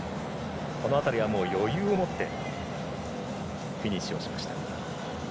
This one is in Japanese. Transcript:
この辺りは余裕を持ってフィニッシュをしました。